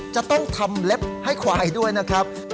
จะต้องทำเล็บให้ควายด้วยนะครับ